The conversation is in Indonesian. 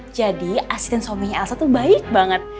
jadi asisten suaminya elsa tuh baik banget